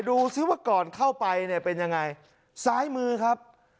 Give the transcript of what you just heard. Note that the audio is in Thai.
ดูซิว่าก่อนเข้าไปเนี่ยเป็นยังไงซ้ายมือครับ